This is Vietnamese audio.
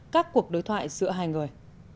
các cuộc đối thoại giữa hai người